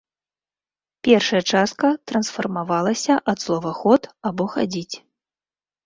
Першая частка трансфармавалася ад слова ход або хадзіць.